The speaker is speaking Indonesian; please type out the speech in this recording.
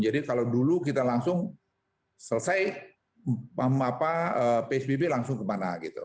jadi kalau dulu kita langsung selesai psbb langsung kemana gitu